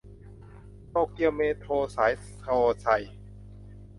โตเกียวเมโทรสายโทไซ